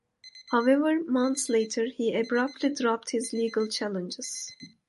However, months later he abruptly dropped his legal challenges.